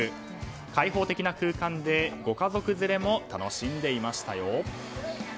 開放的な空間でご家族連れも楽しんでいましたよ。